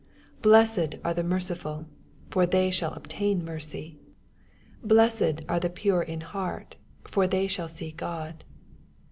7 Blessed are the merciful : for they ■hall obtain mercy. 8 Blessed art the pure in heart : for they shall see God.